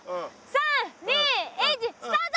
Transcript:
３２１スタート！